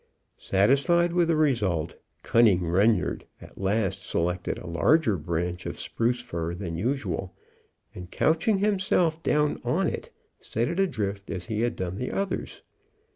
Satisfied with the result, cunning Reynard at last selected a larger branch of spruce fir than usual, and couching himself down on it, set it adrift as he had done the others.